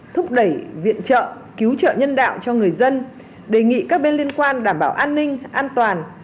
thúc đẩy viện trợ cứu trợ nhân đạo cho người dân đề nghị các bên liên quan đảm bảo an ninh an toàn